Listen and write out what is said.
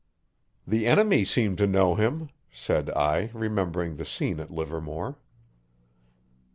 "The enemy seem to know him," said I, remembering the scene at Livermore.